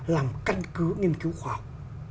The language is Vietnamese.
làm căn cứ nghiên cứu khoa học